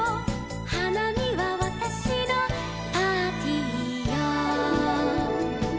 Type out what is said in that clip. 「花見はわたしのパーティーよ」